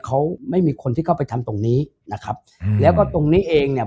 เขาไม่มีคนที่เข้าไปทำตรงนี้นะครับอืมแล้วก็ตรงนี้เองเนี่ย